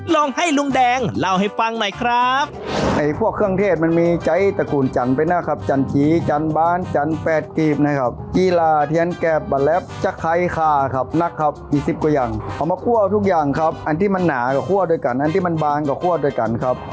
ลองให้ลุงแดงเล่าให้ฟังหน่อยครับ